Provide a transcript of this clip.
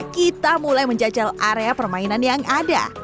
kita mulai menjajal area permainan yang ada